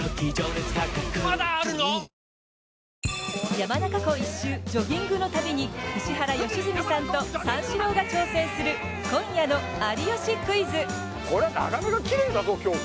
山中湖一周ジョギングの旅に石原良純さんと三四郎が挑戦する今夜の「有吉クイズ」！